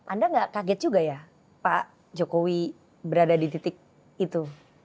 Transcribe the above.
anda nggak kaget juga ya pak jokowi berada di titik itu